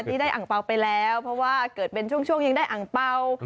ที่ได้อ่างเปล่าไปแล้วเพราะว่าเกิดเป็นช่วงยังได้อ่างเปล่า